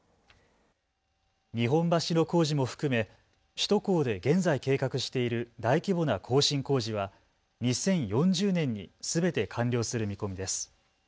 日本橋の工事も含め首都高で現在計画している大規模な更新工事は２０４０年にすべて完了する見込みです。